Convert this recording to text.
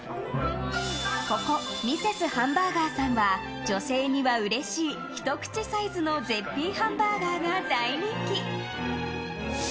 ここミセスハンバーガーさんは女性にはうれしいひと口サイズの絶品ハンバーガーが大人気。